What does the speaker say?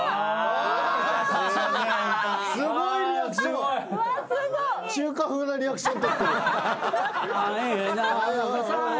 すごいリアクション。